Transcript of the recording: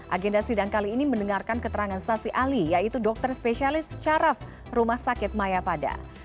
agenda sidang kali ini mendengarkan keterangan saksi ahli yaitu dokter spesialis caraf rumah sakit mayapada